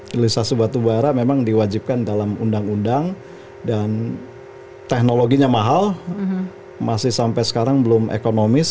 hilirisasi batubara memang diwajibkan dalam undang undang dan teknologinya mahal masih sampai sekarang belum ekonomis